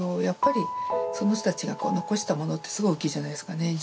やっぱり、その人たちが残したものってすごい大きいじゃないですかね